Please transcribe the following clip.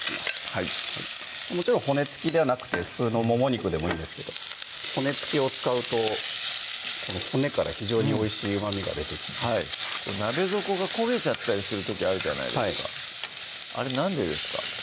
はいもちろん骨つきじゃなくて普通のもも肉でもいいんですけど骨つきを使うと骨から非常においしい旨みが出て鍋底が焦げちゃったりする時あるじゃないですかあれなんでですか？